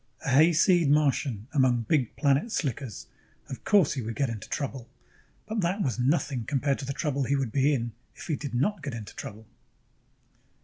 ] A hayseed Martian among big planet slickers ... of course he would get into trouble. But that was nothing compared to the trouble he would be in if he did not get into trouble!